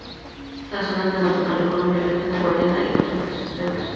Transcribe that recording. Puebla las zonas de matorral en Colombia, Venezuela, Guyana y parte de Brasil.